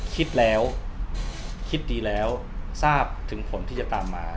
คิดแล้วคิดดีแล้วทราบถึงผลที่จะตามมา